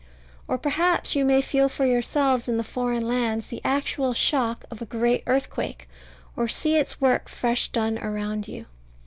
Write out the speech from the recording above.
Or perhaps you may feel for yourselves in foreign lands the actual shock of a great earthquake, or see its work fresh done around you.